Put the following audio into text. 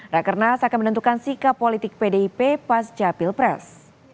rakernas akan menentukan sikap politik pdip pas capil pres